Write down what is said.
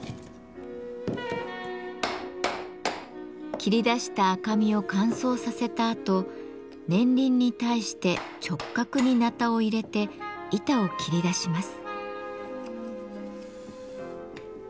切り出した赤身を乾燥させたあと年輪に対して直角にナタを入れて板を切り出します。